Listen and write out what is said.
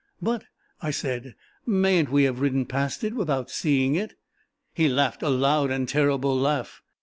"But," I said, "mayn't we have ridden past it without seeing it?" He laughed a loud and terrible laugh.